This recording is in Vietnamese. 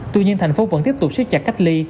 tuy nhiên thành phố vẫn tiếp tục xếp chặt cách ly